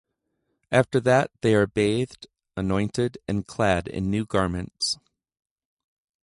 After that they are bathed, anointed, and clad in new garments.